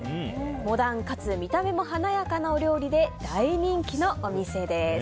モダンかつ見た目も華やかなお料理で大人気のお店です。